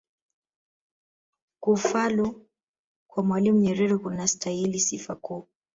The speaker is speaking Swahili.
kufalu kwa mwalimu nyerere kunastahili sifa kubwa